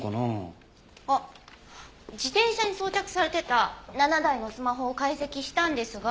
あっ自転車に装着されてた７台のスマホを解析したんですが。